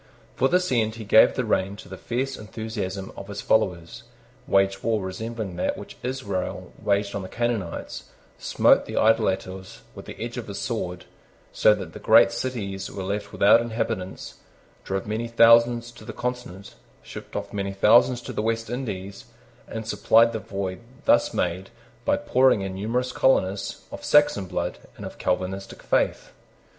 For this end he gave the rein to the fierce enthusiasm of his followers, waged war resembling that which Israel waged on the Canaanites, smote the idolaters with the edge of the sword, so that great cities were left without inhabitants, drove many thousands to the Continent, shipped off many thousands to the West Indies, and supplied the void thus made by pouring in numerous colonists, of Saxon blood, and of Calvinistic faith.